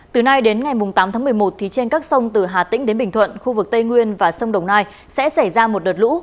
từ nay đến ngày tám tháng một mươi một trên các sông từ hà tĩnh đến bình thuận khu vực tây nguyên và sông đồng nai sẽ xảy ra một đợt lũ